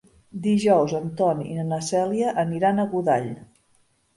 Dijous en Ton i na Cèlia aniran a Godall.